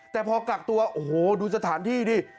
แต่พอกักตัวโอ้โหดูสถานที่ดิ